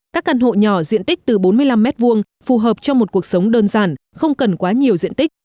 các căn hộ nhỏ diện tích từ bốn mươi năm m hai phù hợp cho một cuộc sống đơn giản không cần quá nhiều diện tích